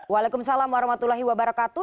waalaikumsalam warahmatullahi wabarakatuh